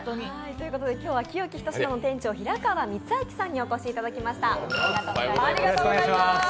今日は清喜ひとしなの店長、平川満章さんにお越しいただきました。